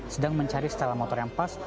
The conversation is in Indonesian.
sedang mencari stella motor yang pas